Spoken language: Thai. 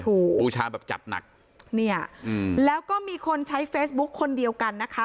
บูชาแบบจัดหนักเนี่ยอืมแล้วก็มีคนใช้เฟซบุ๊คคนเดียวกันนะคะ